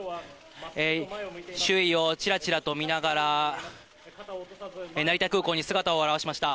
周囲をちらちらと見ながら、成田空港に姿を現しました。